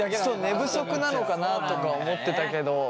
寝不足なのかなとか思ってたけど。